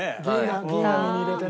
銀紙に入れてね。